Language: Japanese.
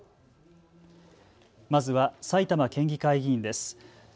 まずは埼玉県議会議員です。